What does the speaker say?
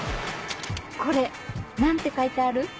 これ何て書いてある？